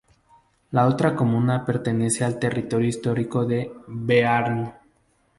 La otra comuna pertenece al territorio histórico del Bearn.